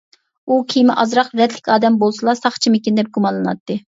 ئۇ كىيىمى ئازراق رەتلىك ئادەم بولسىلا ساقچىمىكىن دەپ گۇمانلىناتتى.